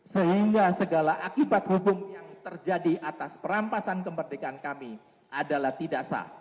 sehingga segala akibat hukum yang terjadi atas perampasan kemerdekaan kami adalah tidak sah